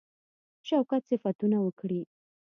د شوکت صفتونه وکړي.